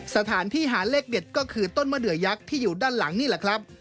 สถานที่หาเลขเด็ดก็คือต้นมะเดือยักษ์ที่อยู่ด้านหลังนี่แหละครับ